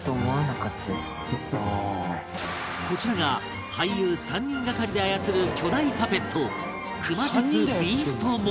こちらが俳優３人がかりで操る巨大パペット熊徹ビーストモード